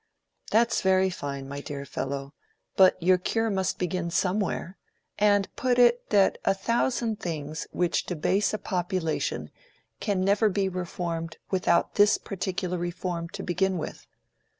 "That's very fine, my dear fellow. But your cure must begin somewhere, and put it that a thousand things which debase a population can never be reformed without this particular reform to begin with.